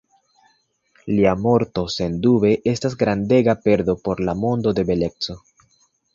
Lia morto sendube estas grandega perdo por la mondo de beleco.